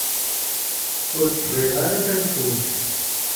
Ur d-sɣiɣ ara tanfult.